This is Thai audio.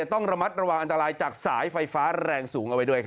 ต้องระมัดระวังอันตรายจากสายไฟฟ้าแรงสูงเอาไว้ด้วย